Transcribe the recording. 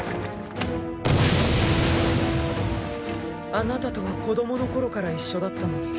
あなたとは子供の頃から一緒だったのに。